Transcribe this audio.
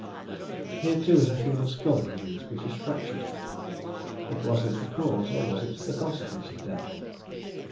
"Here too is a human skull produced, which is fractured; but was this the cause, or was it the consequence, of death?